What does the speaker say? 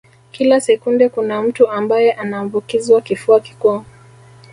Kila sekunde kuna mtu ambaye anaambukizwa kifua kikuu